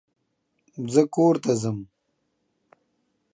زه کورته ځم